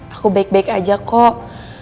aku baik baik aja kok